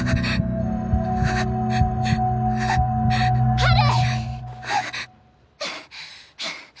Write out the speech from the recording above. ハル！